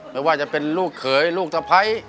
ไม่ว่าจะเป็นลูกเขยลูกสะพ้าย